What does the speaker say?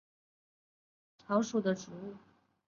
藏蝇子草是石竹科蝇子草属的植物。